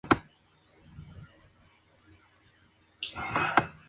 Al igual que Chaucer, Barnes está lleno de alegría de vivir.